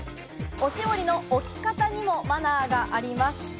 おしぼりの置き方にもマナーがあります。